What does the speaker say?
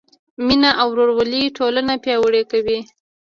مینه او ورورولي ټولنه پیاوړې کوي.